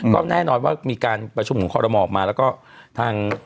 ก็แน่นอนว่ามีการประชุมของคอรมอลออกมาแล้วก็ทาง